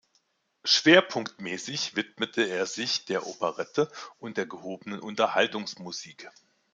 Schwerpunktmässig widmete er sich der Operette und der gehobenen Unterhaltungsmusik.